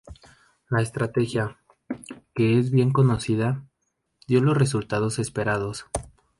La estrategia, que es bien conocida, dio los resultados esperados.